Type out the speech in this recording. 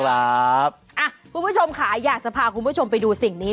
คุณผู้ชมค่ะอยากจะพาคุณผู้ชมไปดูสิ่งนี้